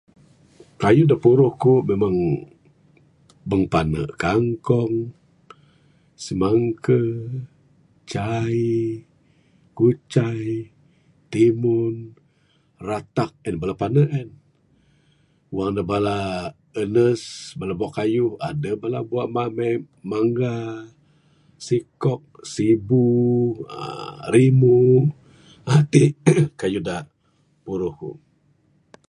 Keyuh dak puruh aku memang mung pane kangkung, simangka, cawi, kucai, timun, retak en bala pane en. Wang ne bala nanas bala bua keyuh adeh bala bua mamet, manga, sikuk, sibu, uhh rimu, uhh t keyuh puruh ku.